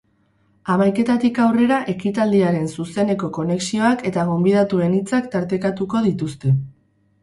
Hamaiketatik aurrera ekitaldiaren zuzeneko konexioak eta gonbidatuen hitzak tartekatuko dituzte.